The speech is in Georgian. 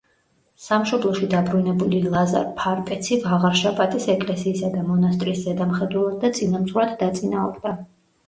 სამშობლოში დაბრუნებული ლაზარ ფარპეცი ვაღარშაპატის ეკლესიისა და მონასტრის ზედამხედველად და წინამძღვრად დაწინაურდა.